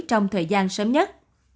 trong thời gian sớm nhất